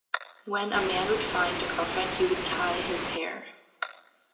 When a man would find a girlfriend, he would tie his hair.